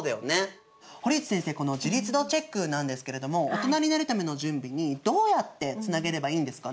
堀内先生この自立度チェックなんですけれどもオトナになるための準備にどうやってつなげればいいんですかね？